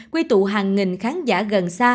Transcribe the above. quy tụ hàng nghìn khán giả gần xa